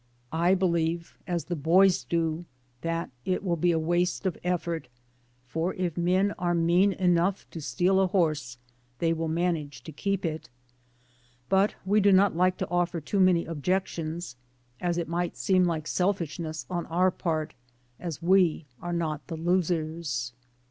I believe, as the boys do, that it will be a waste of effort, for if men are mean enough to steal a horse they will manage to keep it. But we do not like to offer too many objections, as it might seem like selfishness on our part, as we are not the losers.